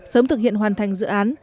sớm thực hiện hoàn thành dự án